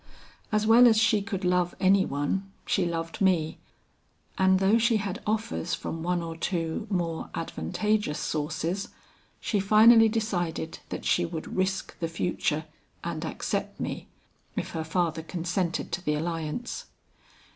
As well as she could love any one, she loved me, and though she had offers from one or two more advantageous sources, she finally decided that she would risk the future and accept me, if her father consented to the alliance.